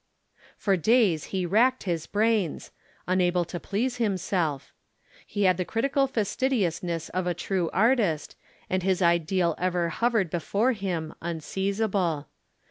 "'For days he racked his brains, unable to please himself. He had the critical fastidiousness of the true artist, and his ideal ever hovered before him, unseizable.